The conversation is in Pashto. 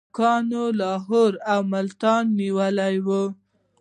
سیکهان لاهور او ملتان نیولي ول.